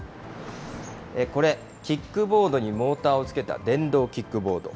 これ、キックボードにモーターをつけた電動キックボード。